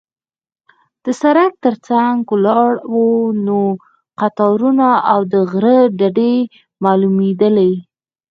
د سړک تر څنګ ولاړ د ونو قطارونه او د غره ډډې معلومېدلې.